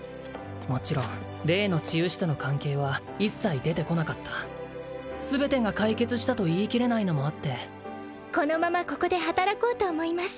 もちろん例の治癒士との関係は一切出てこなかった全てが解決したと言い切れないのもあってこのままここで働こうと思います